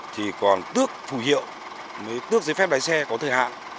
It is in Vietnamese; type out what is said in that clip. thì còn tước phù hiệu mới tước giấy phép lái xe có thời hạn